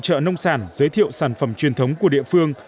các hội trợ nông sản giới thiệu sản phẩm truyền thống của địa phương